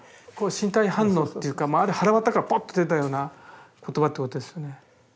身体反応っていうかはらわたからポッと出たような言葉ってことですよね。